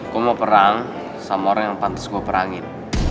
gue mau perang sama orang yang pantas gue perangin